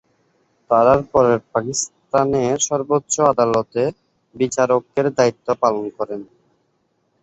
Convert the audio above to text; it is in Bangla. তারার পরে পাকিস্তানের সর্বোচ্চ আদালতে বিচারকের দায়িত্ব পালন করেন।